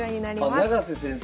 あ永瀬先生。